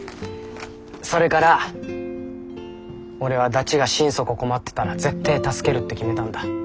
それから俺はダチが心底困ってたら絶対助けるって決めたんだ。